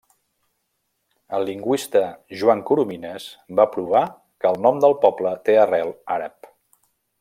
El lingüista Joan Coromines va provar que el nom del poble té arrel àrab.